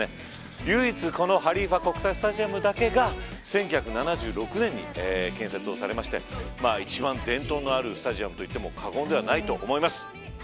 唯一、このハリーファ国際スタジアムだけが１９７６年に建設されまして、一番伝統のあるスタジアムといっても過言ではないと思います。